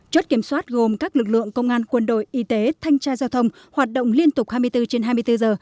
chốt kiểm soát gồm các lực lượng công an quân đội y tế thanh tra giao thông hoạt động liên tục hai mươi bốn trên hai mươi bốn giờ